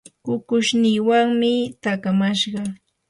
kukushninwanmi taakamashqa.